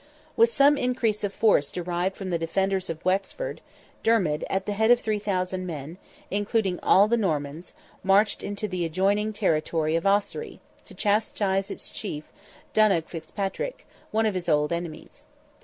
With some increase of force derived from the defenders of Wexford, Dermid, at the head of 3000 men, including all the Normans, marched into the adjoining territory of Ossory, to chastise its chief, Donogh Fitzpatrick, one of his old enemies.